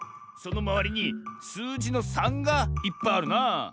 そのまわりにすうじの「３」がいっぱいあるなぁ。